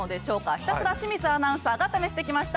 ひたすら清水アナウンサーが試してきました。